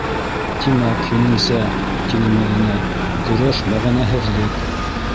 Тимәк, һинеңсә, - тине Мәҙинә, - көрәш мәғәнәһеҙлек?